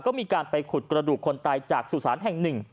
ก็มีการไปขุดกระดูกคนตายจากสุสานแห่งหนึ่ง